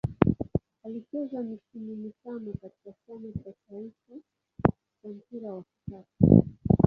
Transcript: Alicheza misimu mitano katika Chama cha taifa cha mpira wa kikapu.